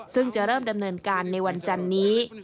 ซึ่งจะเริ่มดำเนินการในวันจันนี้